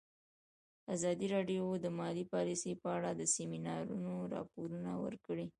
ازادي راډیو د مالي پالیسي په اړه د سیمینارونو راپورونه ورکړي.